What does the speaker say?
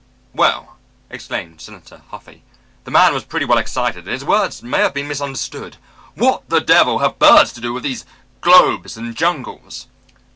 '" "Well," exclaimed Senator Huffy, "the man was pretty well excited and his words may have been misunderstood. What the devil have birds to do with those globes and jungles?"